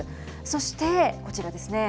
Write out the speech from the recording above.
そして、こちらですね。